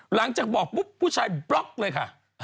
หลังจากบอกปุ๊บผู้ชายบล็อกเลยค่ะ